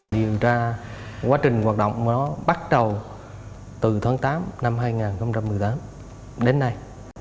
điều tra quá trình hoạt động nó bắt đầu từ tháng tám năm hai nghìn một mươi tám đến nay